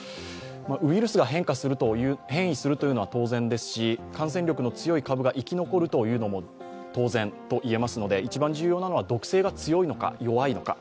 ウイルスが変異するというのは当然ですし感染力の強い株が生き残るというのも当然といえますので一番重要なのは毒性が強いのか、弱いのか。